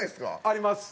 あります。